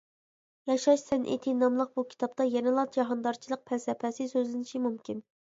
«ياشاش سەنئىتى» ناملىق بۇ كىتابتا يەنىلا جاھاندارچىلىق پەلسەپىسى سۆزلىنىشى مۇمكىن.